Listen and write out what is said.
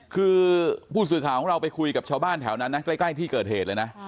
คือผู้สื่อข่าวของเราไปคุยกับชาวบ้านแถวนั้นนะใกล้ที่เกิดเหตุเลยนะ